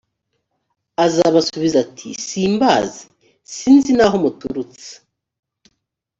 azabasubiza ati simbazi sinzi n’aho muturutse